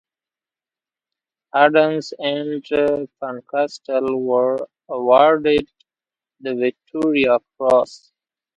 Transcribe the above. Adams and Fincastle were awarded the Victoria Cross.